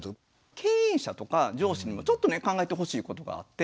経営者とか上司にもちょっと考えてほしいことがあって。